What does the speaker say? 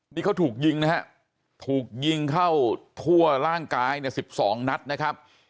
นี่เขาถูกยิงนะฮะถูกยิงเข้าทั่วร่างกายเนี่ย๑๒นัดนะครับ